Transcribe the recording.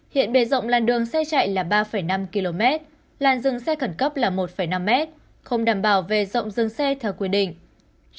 hiện bề rộng làn đường xe chạy là ba năm km làn dừng xe khẩn cấp là một năm m không đảm bảo về rộng dừng xe theo quy định